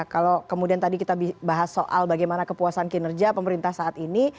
kalau kemudian tadi kita bahas soal bagaimana kepuasan kinerja pemerintah saat ini